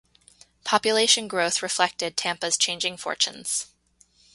Population growth reflected Tampa's changing fortunes.